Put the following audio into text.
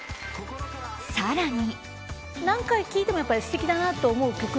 更に。